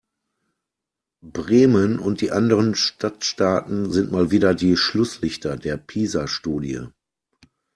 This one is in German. Bremen und die anderen Stadtstaaten sind mal wieder die Schlusslichter der PISA-Studie.